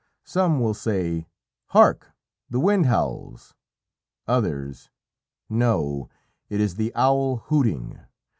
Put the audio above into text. Some will say, "Hark! The wind howls!" others, "No, it is the owl hooting!"